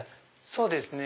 そうですね。